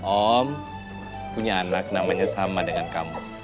om punya anak namanya sama dengan kamu